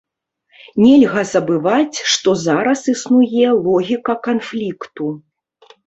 Нельга забываць, што зараз існуе логіка канфлікту.